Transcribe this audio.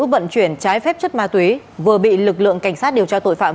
vận chuyển trái phép chất ma túy vừa bị lực lượng cảnh sát điều tra tội phạm